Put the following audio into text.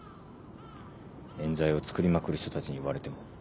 冤罪をつくりまくる人たちに言われても。